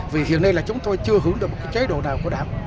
vì hiện nay là chúng tôi chưa hưởng được một cái chế độ nào của đảo